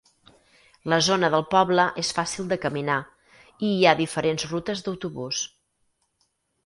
La zona del poble és fàcil de caminar, i hi ha diferents rutes d'autobús.